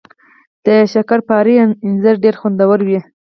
د شکرپارې انځر ډیر خوندور وي